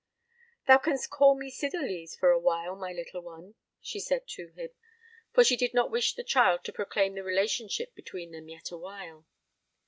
"Thou canst call me Cydalise for a while, my little one," she said to him; for she did not wish the child to proclaim the relationship between them yet awhile.